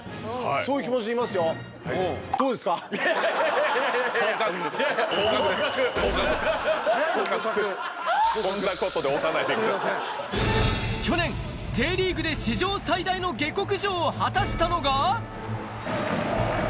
そんなことで押さない去年、Ｊリーグで史上最大の下克上を果たしたのが。